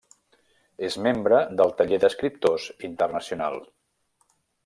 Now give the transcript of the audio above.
És membre del Taller d’Escriptors Internacional.